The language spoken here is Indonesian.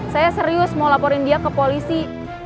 saya serius mau laporin dia ke polisi